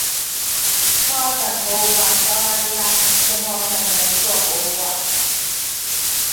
墨尔本博物馆是澳大利亚城市墨尔本的一座博物馆。